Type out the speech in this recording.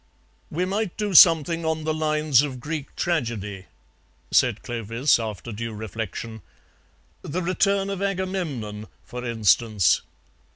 "We might do something on the lines of Greek tragedy," said Clovis, after due reflection; "the Return of Agamemnon, for instance."